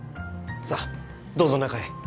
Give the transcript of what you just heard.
さあどうぞ中へ。